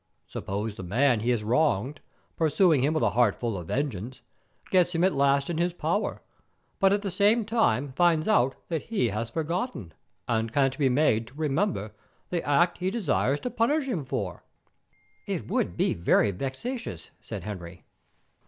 Suppose the man he has wronged, pursuing him with a heart full of vengeance, gets him at last in his power, but at the same time finds out that he has forgotten, and can't be made to remember, the act he desires to punish him for." "It would be very vexatious," said Henry..